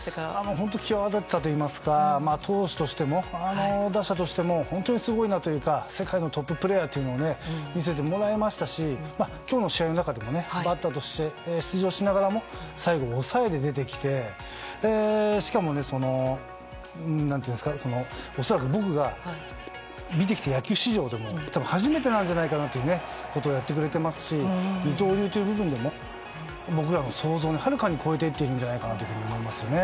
本当に際立ったというか投手としても打者としても本当にすごいなというか世界のトッププレーヤーというのを見せてもらえましたし今日の試合の中でもバッターとして出場しながらも最後に抑えで出場してしかも恐らく僕が見てきた野球史上でも多分、初めてなんじゃないかなということをやってくれてますし二刀流という部分でも僕らの想像をはるかに超えていると思いますね。